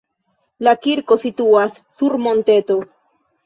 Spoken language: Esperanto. La kirko situas sur monteto.